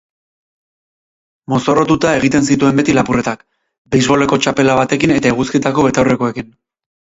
Mozorrotuta egiten zituen beti lapurretak, beisboleko txapela batekin eta eguzkitako betaurrekoekin.